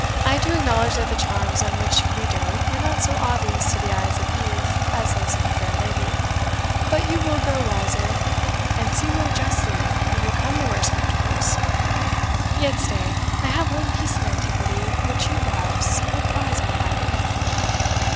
I do acknowledge that the charms on which we doat are not so obvious to the eyes of youth as those of a fair lady; but you will grow wiser, and see more justly, when you come to wear spectacles. Yet stay, I have one piece of antiquity, which you, perhaps, will prize more highly."